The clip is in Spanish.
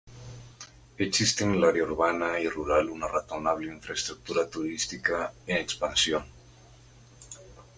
Existe en el área urbana y rural una razonable infraestructura turística en expansión.